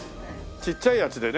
ちっちゃいやつでね。